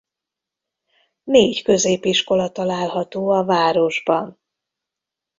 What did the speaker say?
Négy középiskola található a városban.